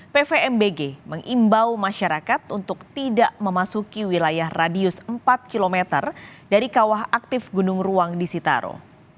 pvmbg mengimbau masyarakat untuk tidak memasuki wilayah radius empat km dari kawah aktif gunung ruang di sitaro